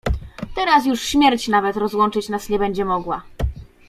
"Teraz już śmierć nawet rozłączyć nas nie będzie mogła."